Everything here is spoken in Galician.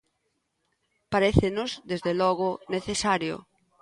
Parécenos, desde logo, necesario.